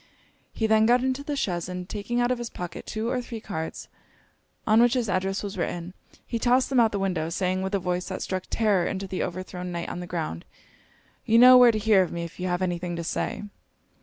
He then got into the chaise; and taking out of his pocket two or three cards, on which his address was written, he tossed them out of the window; saying, with a voice that struck terror into the overthrown knight on the ground 'You know where to hear of me if you have any thing to say.'